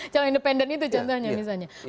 calon independen itu contohnya misalnya